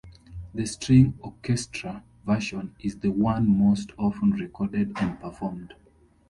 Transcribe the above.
The string orchestra version is the one most often recorded and performed.